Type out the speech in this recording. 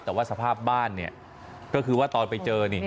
แต่ว่าสภาพบ้านเนี่ยก็คือว่าตอนไปเจอนี่